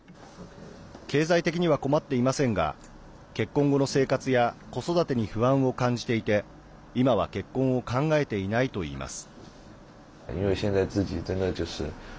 経済的には困っていませんが結婚後の生活や子育てに不安を感じていて今は結婚を考えていないといいます。